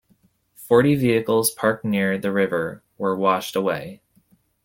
Forty vehicles parked near the river were washed away.